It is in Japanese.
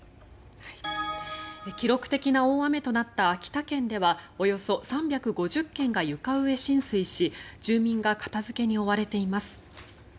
記録的な大雨となった秋田県ではおよそ３５０軒が床上浸水し住民が片付けに追われています。